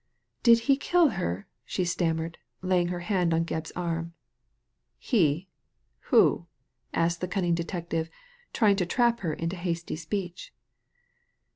'' Did he kill her ?" she stammered, laying her hand on Gebb's arm. " He ! Who ?" asked the cunning detective, trying to trap her into a hasty speech.